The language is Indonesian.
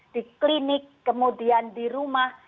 di klinik kemudian di rumah